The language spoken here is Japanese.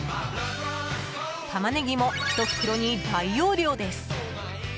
タマネギも１袋に大容量です。